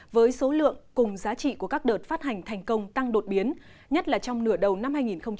với số lượng cùng giá trị của các đợt phát hành thành công tăng đột biến nhất là trong nửa đầu năm hai nghìn hai mươi